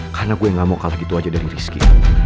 karena gue gak mau kalah gitu aja dari rizky